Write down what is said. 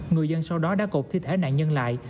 người dân sau đó đã cột thi thể nạn nhân lại